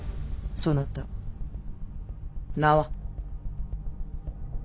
そなた名は。